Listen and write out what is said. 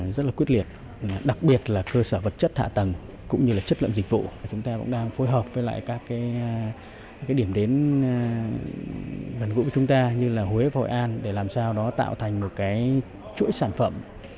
điểm đến vận vụ của chúng ta như là huế và hội an để làm sao đó tạo thành một cái chuỗi sản phẩm